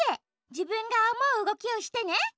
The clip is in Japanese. じぶんがおもううごきをしてね！